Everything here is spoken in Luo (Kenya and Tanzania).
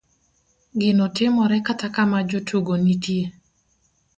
ginotimore kata kama jotugo nitie